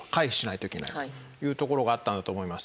というところがあったんだと思います。